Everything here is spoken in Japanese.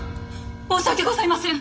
申し訳ございません！